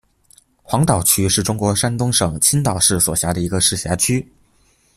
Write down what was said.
黄岛区是中国山东省青岛市所辖的一个市辖区。